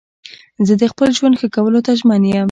زه د خپل ژوند ښه کولو ته ژمن یم.